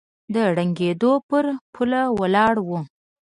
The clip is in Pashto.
د ړنګېدو پر پوله ولاړ و